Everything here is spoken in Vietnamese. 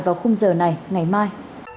vào khung giờ này ngày mai